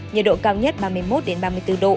nhiệt độ cao nhất ba mươi một ba mươi bốn độ